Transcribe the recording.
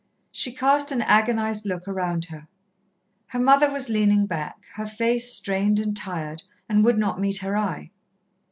She cast an agonized look around her. Her mother was leaning back, her face strained and tired, and would not meet her eye.